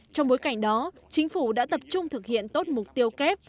trong bối cảnh đó chính phủ đã tập trung thực hiện tốt mục tiêu kép